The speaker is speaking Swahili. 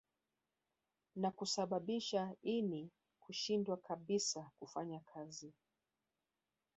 Na kusababisha ini kushindwa kabisa kufanya kazi